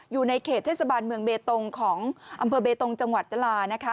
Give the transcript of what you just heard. อยู่ในเขตเทศบาลเมืองเบตงของอำเภอเบตงจังหวัดตรานะคะ